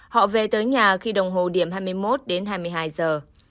họ về tới nhà khi đồng hồ điểm hai mươi một đến hai mươi hai giờ